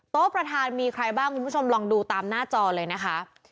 ประธานมีใครบ้างคุณผู้ชมลองดูตามหน้าจอเลยนะคะ